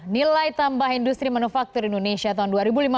nilai tambah industri manufaktur indonesia tahun dua ribu lima belas